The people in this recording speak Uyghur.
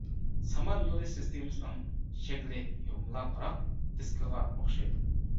سامان يولى سىستېمىسىنىڭ شەكلى يۇمىلاقراق دىسكىغا ئوخشايدۇ.